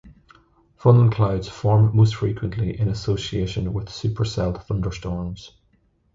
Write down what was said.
Funnel clouds form most frequently in association with supercell thunderstorms.